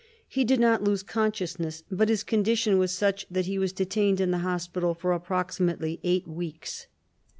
He did not lose consciousness, but his condition was such that he was detained in the hospital for approximately eight weeks.